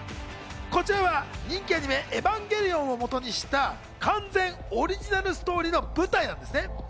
こちらは人気アニメ・『エヴァンゲリオン』をもとにした、完全オリジナルストーリーの舞台なんですね。